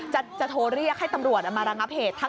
จะโทรเรียกให้ตำรวจมาระงับเหตุ